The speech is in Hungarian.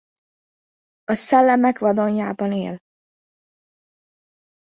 A Szellemek vadonjában él.